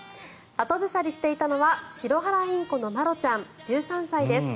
後ずさりしていたのはシロハラインコのマロちゃん１３歳です。